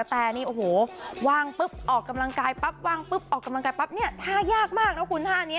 แต่นี่โอ้โหวางปุ๊บออกกำลังกายปั๊บว่างปุ๊บออกกำลังกายปั๊บเนี่ยท่ายากมากนะคุณท่านี้